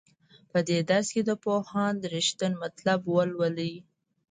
په دې درس کې د پوهاند رښتین مطلب ولولئ.